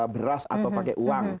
beras atau pakai uang